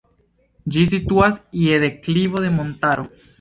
Ĝi situas je deklivo de montaro.